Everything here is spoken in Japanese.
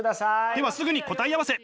ではすぐに答え合わせ！